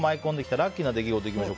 ラッキーな出来事いきましょう。